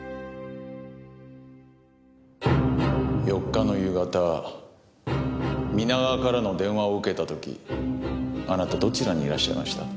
４日の夕方皆川からの電話を受けた時あなたどちらにいらっしゃいました？